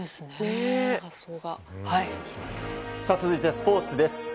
続いてスポーツです。